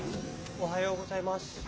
おはようございます。